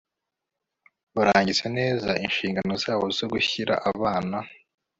barangiza neza inshingano zabo zo gushyira abana